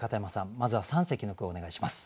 まずは三席の句をお願いします。